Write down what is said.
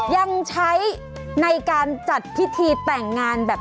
ยังใช้ในการจัดพิธีแต่งงานแบบ